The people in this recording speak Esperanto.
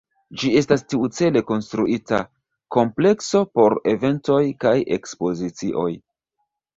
Ĝi estas tiucele konstruita komplekso por eventoj kaj ekspozicioj.